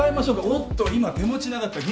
おっと今手持ちなかった。